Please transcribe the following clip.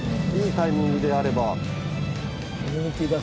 いいタイミングであれば。